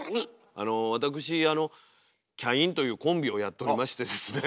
あの私キャインというコンビをやっておりましてですね